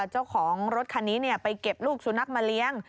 เจ้าของรถคันนี้ไปเก็บลูกสุนัขมาเลี้ยง